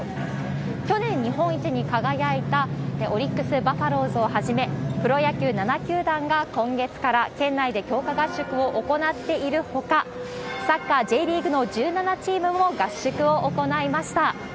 去年、日本一に輝いたオリックス・バファローズをはじめ、プロ野球７球団が今月から県内で強化合宿を行っているほか、サッカーＪリーグの１７チームも合宿を行いました。